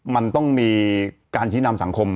มันต้องมีการชี้นำสังคม